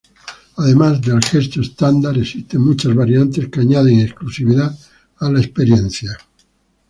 Además del gesto estándar, existen muchas variantes que añaden exclusividad a la experiencia.